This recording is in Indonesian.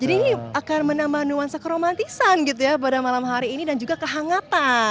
jadi ini akan menambah nuansa keromantisan gitu ya pada malam hari ini dan juga kehangatan